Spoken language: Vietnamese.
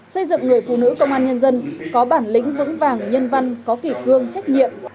xây dựng người phụ nữ công an nhân dân có bản lĩnh vững vàng nhân văn có kỷ cương trách nhiệm